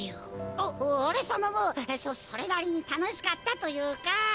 おおれさまもそそれなりにたのしかったというか。